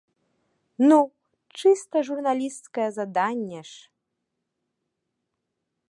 Ну, чыста журналісцкае заданне ж!